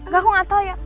gak aku gak tau ya